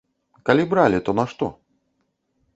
Калі бралі, то на што?